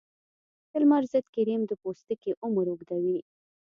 د لمر ضد کریم د پوستکي عمر اوږدوي.